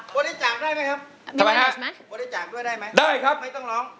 บริจาคได้ไหมครับบริจาคด้วยได้ไหมได้ครับไม่ต้องร้อง